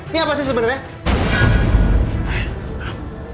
ini apa sih sebenernya